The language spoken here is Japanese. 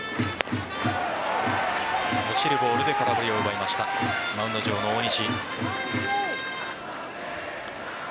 落ちるボールで空振りを奪いましたマウンド上の大西。